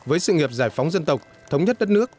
với sự nghiệp giải phóng dân tộc thống nhất đất nước